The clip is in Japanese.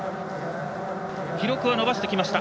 記録は伸ばしてきました。